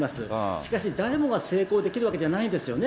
しかし、誰もが成功できるわけじゃないんですよね。